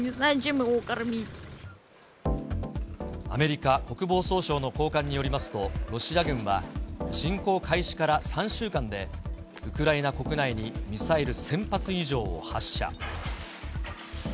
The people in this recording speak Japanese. アメリカ国防総省の高官によりますと、ロシア軍は侵攻開始から３週間で、ウクライナ国内にミサイル１０００発以上を発射。